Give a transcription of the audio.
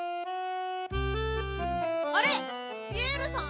あれピエールさん？